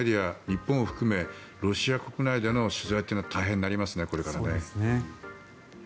日本を含めロシア国内での取材というのは大変になりますね、これから。